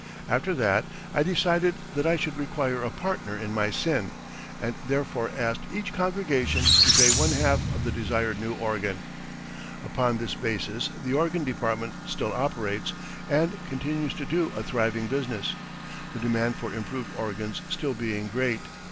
After that I decided that I should require a partner in my sin, and therefore asked each congregation to pay one half of the desired new organ. Upon this basis the organ department still operates and continues to do a thriving business, the demand for improved organs still being great.